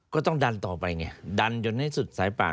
ก็ต้องดันต่อไปไงดันจนให้สุดสายป่าน